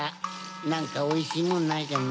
なんかおいしいものないかな。